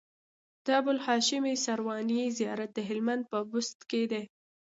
د ابوالهاشم سرواني زيارت د هلمند په بست کی دی